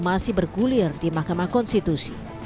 masih bergulir di mahkamah konstitusi